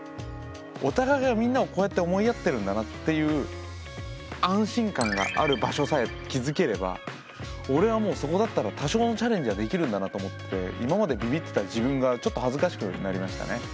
お互いがみんなをこうやって思いやってるんだなっていう安心感がある場所さえ築ければ俺はもうそこだったら多少のチャレンジはできるんだなと思ってて今までビビってた自分がちょっと恥ずかしくなりましたね。